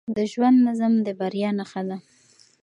د ژوند نظم د بریا نښه ده.